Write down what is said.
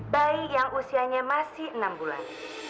bayi yang usianya masih enam bulan